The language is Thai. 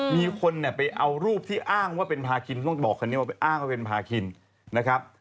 มีคนเนี่ยไปเอารูปที่อ้างว่าเป็นพาคินต้องบอกคันนี้ว่าไปอ้างว่าเป็นพาคินนะครับ